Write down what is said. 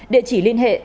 địa chỉ liên hệ